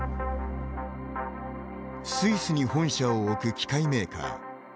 スイスに本社を置く機械メーカー。